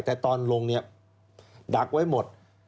แต่ตอนลงเนี่ยดักไว้หมด